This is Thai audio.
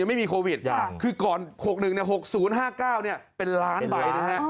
๖๑ยังไม่มีโควิดคือก่อน๖๑เนี่ย๖๐๕๙เนี่ยเป็นล้านใบนะฮะ